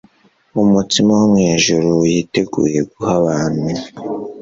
mutsima wo mu ijuru yiteguye guha abantu